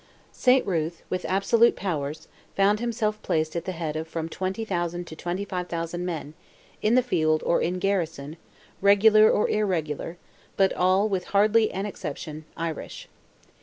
Saint Ruth, with absolute powers, found himself placed at the head of from 20,000 to 25,000 men, in the field or in garrison, regular or irregular, but all, with hardly an exception, Irish.